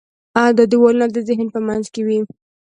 دا دیوالونه د ذهن په منځ کې وي.